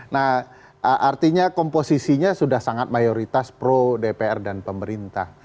nah artinya komposisinya sudah sangat mayoritas pro dpr dan pemerintah